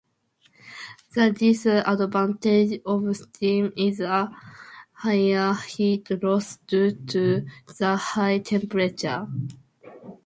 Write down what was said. The disadvantage of steam is a higher heat loss due to the high temperature.